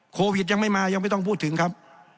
โควิดยังไม่มายังไม่ต้องพูดถึงครับ